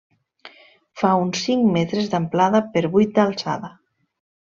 Fa uns cinc metres d'amplada per vuit d'alçada.